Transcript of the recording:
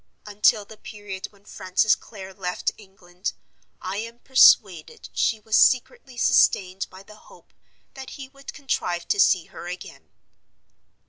Until the period when Francis Clare left England, I am persuaded she was secretly sustained by the hope that he would contrive to see her again.